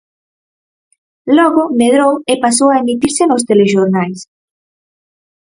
Logo medrou e pasou a emitirse nos telexornais.